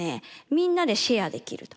みんなでシェアできると。